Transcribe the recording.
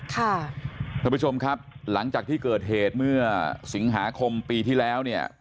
ท่านผู้ชมครับหลังจากที่เกิดเหตุเมื่อสิงหาคมปีที่แล้วเนี่ย